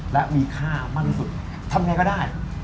และมีค่ามากที่สุดทำไงก็ได้